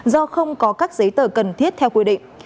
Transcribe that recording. do không có các giấy tờ cần thiết theo quy định